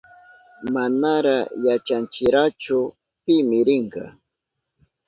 Manara yachanchirachu pimi rinka.